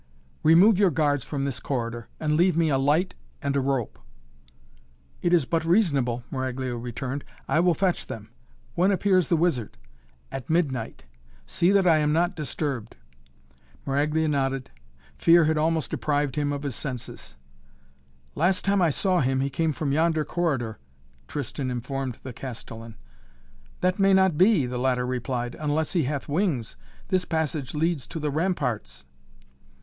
"Remove your guards from this corridor and leave me a light and a rope." "It is but reasonable," Maraglia returned. "I will fetch them. When appears the wizard?" "At midnight! See that I am not disturbed." Maraglia nodded. Fear had almost deprived him of his senses. "Last time I saw him he came from yonder corridor," Tristan informed the Castellan. "That may not be!" the latter replied. "Unless he hath wings. This passage leads to the ramparts."